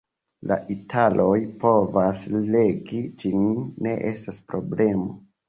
La italoj povas legi ĝin; ne estas problemo.